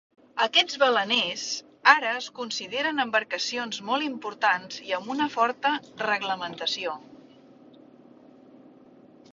Aquests baleners ara es consideren embarcacions molt importants i amb una forta reglamentació.